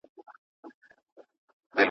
د دروازې په ځینځیر ځان مشغولوینه.